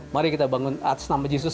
mari kita bangun atas nama jis